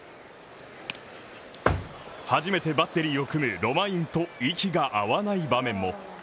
初めてバッテリーを組むロマインと息が合わない場面も。